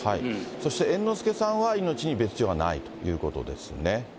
そして猿之助さんは命に別状がないということですね。